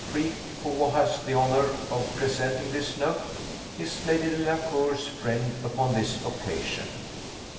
Freke, who has the honour of presenting this note, is Lady Delacour's friend upon this occasion.